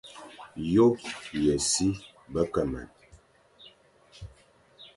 Yô ye si be ke man,